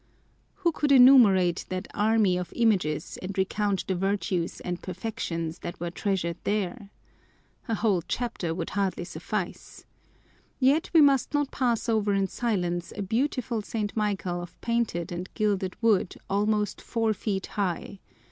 Who could enumerate that army of images and recount the virtues and perfections that were treasured there! A whole chapter would hardly suffice. Yet we must not pass over in silence a beautiful St. Michael of painted and gilded wood almost four feet high.